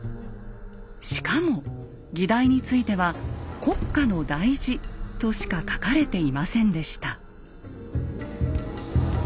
しかも議題については「国家の大事」としか書かれていませんでした。